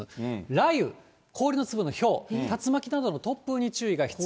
雷雨、氷の粒のひょう、竜巻などの突風に注意が必要。